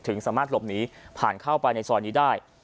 สามารถหลบหนีผ่านเข้าไปในซอยนี้ได้